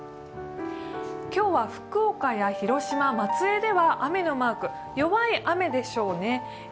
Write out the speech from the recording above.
今日は福岡や広島、松江では雨のマーク、弱い雨でしょうね。